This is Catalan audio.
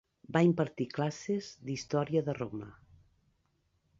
Va impartir classes d'història de Roma.